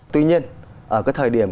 tuy nhiên ở cái thời điểm